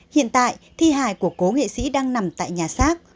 hiện tại thi hài của cố nghệ sĩ đang nằm tại nhà xác